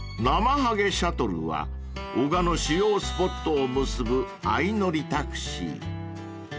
［なまはげシャトルは男鹿の主要スポットを結ぶ相乗りタクシー］